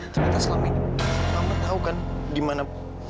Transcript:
ternyata selama ini mama tahu kan gimana bu